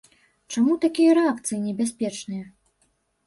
Чаму такія рэакцыі небяспечныя?